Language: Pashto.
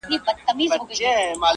يوه برخه چوپه بله غوسه تل-